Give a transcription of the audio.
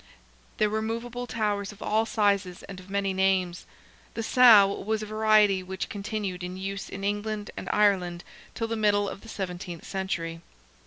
There were moveable towers of all sizes and of many names: "the sow" was a variety which continued in use in England and Ireland till the middle of the seventeenth century.